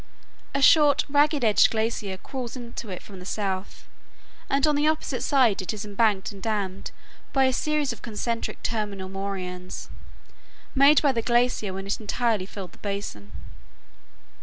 A short, ragged edged glacier crawls into it from the south, and on the opposite side it is embanked and dammed by a series of concentric terminal moraines, made by the glacier when it entirely filled the basin.